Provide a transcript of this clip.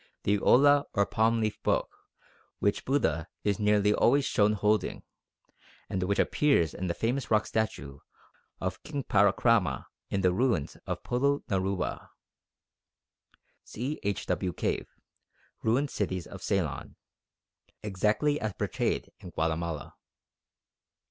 the ola or palm leaf book which Buddha is nearly always shown holding, and which appears in the famous rock statue of King Parakrama in the ruins of Polonnaruwa (see H. W. Cave, Ruined Cities of Ceylon), exactly as portrayed in Guatemala.